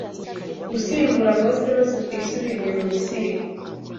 usimbura Mose maze twisubirire mu Misiri!